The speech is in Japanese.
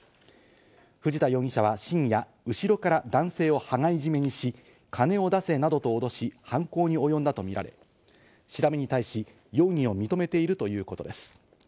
藤田容疑者は深夜、後ろから男性を羽交い締めにし、金を出せなどと脅し、犯行に及んだとみられ、調べに対し、容疑を認めているということです。